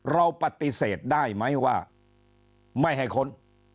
เราปฏิเสธได้ไหมว่าไม่ให้ค้น